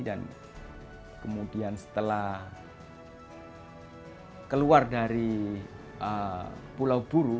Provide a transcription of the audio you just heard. dan kemudian setelah keluar dari pulau bulu